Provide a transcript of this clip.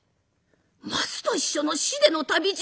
『松と一緒の死出の旅路』？